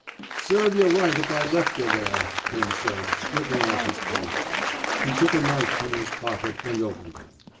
'* Serve yuh right if I left yuh there, '* Pim said, stripping off his coat. He took a knife from his pocket and opened it.